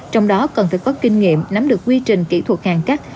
trong đó cần phải có kinh nghiệm nắm được quy trình kỹ thuật hàng cắt